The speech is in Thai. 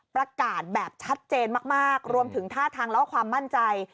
ประกาศแบบชัดเจนมากรวมถึงท่าทางแล้วก็ความมั่นใจ